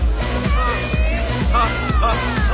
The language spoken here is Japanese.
あハッハッハ。